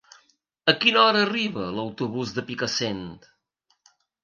A quina hora arriba l'autobús de Picassent?